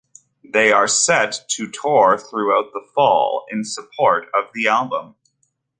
They are set to tour throughout the fall in support of the album.